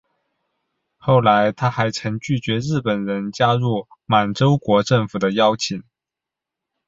后来他还曾拒绝日本人加入满洲国政府的邀请。